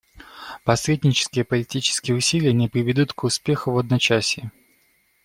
Посреднические политические усилия не приведут к успеху в одночасье.